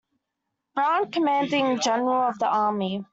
Brown, Commanding General of the Army.